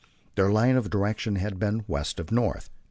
Their line of direction had been west of north.